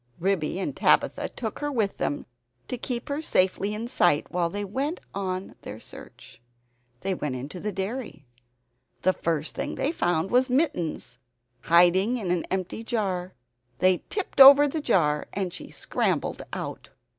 Ribby and Tabitha took her with them to keep her safely in sight, while they went on with their search. They went into the dairy. The first thing they found was Mittens, hiding in an empty jar. They tipped over the jar, and she scrambled out.